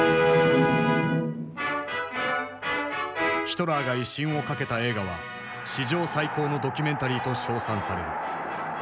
ヒトラーが威信を懸けた映画は史上最高のドキュメンタリーと称賛される。